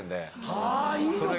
あぁいいのか。